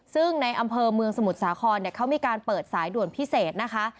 ซึ่งในอำเภอเมืองสมุทรสาครเขามีการเปิดสายด่วนพิเศษนะคะ